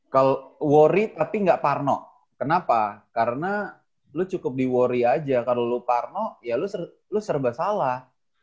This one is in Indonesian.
kalau worry tapi gak parno kenapa karena lo cukup diworry aja kalau lo parno ya lo serba salah